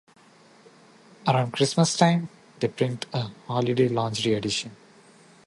Around Christmas time, they print a holiday lingerie edition.